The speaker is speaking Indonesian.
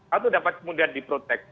atau dapat kemudian diprotektifkan